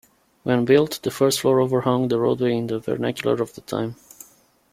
When built, the first floor overhung the roadway in the vernacular of the time.